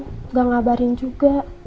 nggak ngabarin juga